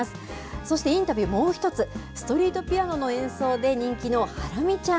そしてインタビュー、もう１つ、ストリートピアノの演奏で人気のハラミちゃん。